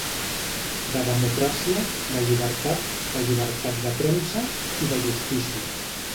De democràcia, de llibertat, de llibertat de premsa i de justícia.